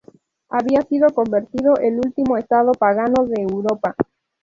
Había sido convertido el último Estado pagano de Europa.